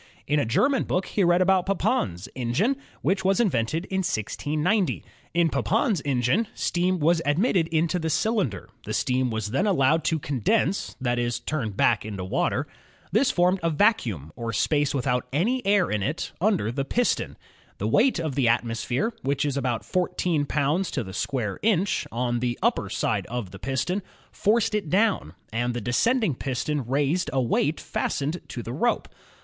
In a German book he read about Papin's engine, which was in vented in 1690. In Papin's engine steam was admitted into the cylinder. The steam was then allowed to con beamca's steau JAMES WATT 13 dense, that is, turn back into water. This formed a vacuum, or space without any air in it, under the piston. The weight of the atmosphere, which is about fourteen pounds to the square inch, on the upper side of the piston, forced it down, and the descending piston raised a weight fastened to the rope.